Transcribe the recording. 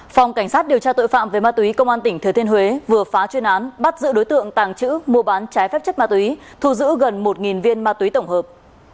phòng cảnh sát điều tra tội phạm về ma túy công an tỉnh thừa thiên huế vừa phá chuyên án bắt giữ đối tượng tàng trữ mua bán trái phép chất ma túy thu giữ gần một viên ma túy tổng hợp